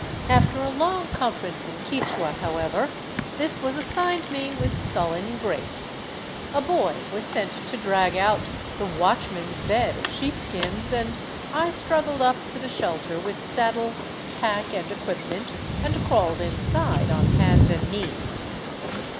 After a long conference in Quichua, however, this was assigned me with sullen grace; a boy was sent to drag out the " watchman's " bed of sheepskins, and I struggled up to the shelter with saddle, pack, and equipment, and crawled inside on hands and knees.